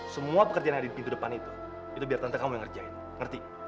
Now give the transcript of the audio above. semua pekerjaan yang ada di pintu depan itu itu biar tante kamu yang ngerjain ngerti